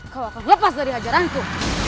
kau akan lepas dari ajaranku